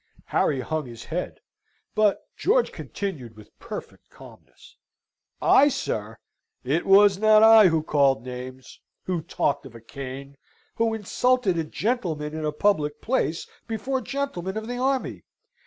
Harry hung his head, but George continued with perfect calmness: "I, sir? It was not I who called names, who talked of a cane, who insulted a gentleman in a public place before gentlemen of the army.